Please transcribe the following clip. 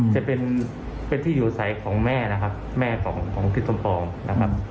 จะเป็นเป็นที่อยู่ใสของแม่นะครับแม่ของพี่สมปองนะครับ